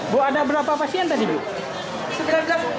bu ada berapa pasien tadi bu